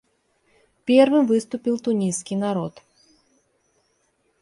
Первым выступил тунисский народ.